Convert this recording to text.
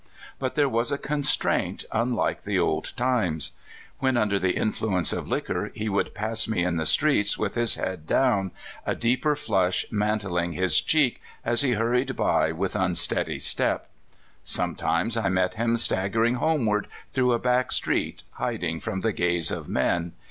But there was a constraint unlike the old times. When under the influence of liquor, he would pass me in the streets with his head down, a deeper flush mantling his cheek as he hurried by with unsteady step. Sometimes I met him staggering homeward through a back street, hiding from the gaze of men.